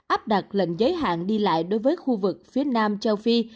áp đặt lệnh giới hạn đi lại đối với khu vực phía nam châu phi